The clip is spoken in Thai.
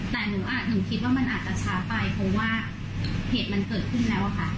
แต่หนูคิดว่ามันอาจจะช้าไปเพราะว่าเหตุมันเกิดขึ้นแล้วอะค่ะ